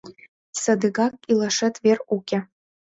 —...Садыгак илашет вер уке...